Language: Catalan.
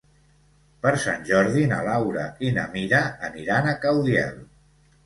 Per Sant Jordi na Laura i na Mira aniran a Caudiel.